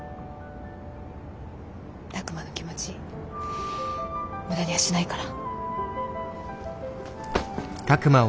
拓真の気持ち無駄にはしないから。